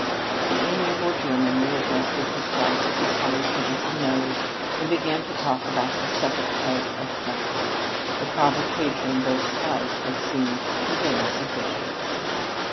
That amiable German readjusted his glasses upon his handsome nose and began to talk about the Second Part of "Faust." The provocation, though slight, had seemed to him sufficient.